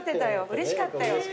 うれしかったよ。